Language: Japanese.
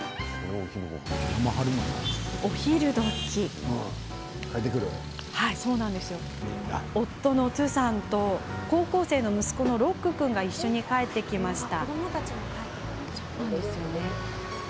お昼時、夫のトゥさんと高校生の息子のロック君が一緒に帰ってきました。